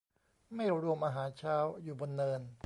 ไม่รวมอาหารเช้า อยู่บนเนิน